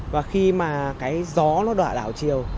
và khi mà cái gió nó đỏ đảo chiều